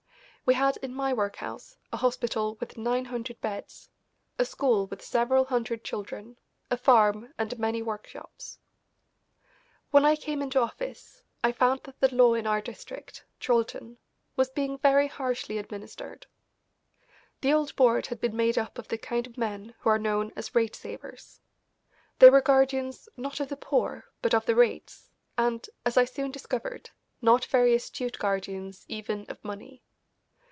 We had, in my workhouse, a hospital with nine hundred beds, a school with several hundred children, a farm, and many workshops. When I came into office I found that the law in our district, Chorlton, was being very harshly administered. The old board had been made up of the kind of men who are known as rate savers. They were guardians, not of the poor but of the rates, and, as I soon discovered, not very astute guardians even of money.